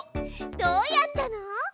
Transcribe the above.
どうやったの？